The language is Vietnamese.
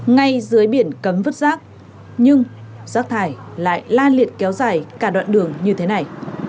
ngay dưới biển cấm vứt rác nhưng rác thải lại la liệt kéo dài cả đoạn đường như thế này